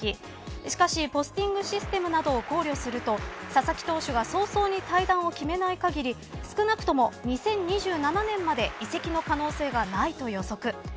しかしポスティングシステムなどを考慮すると佐々木投手が早々に退団を決めない限り少なくとも２０２７年まで移籍の可能性がないと予測。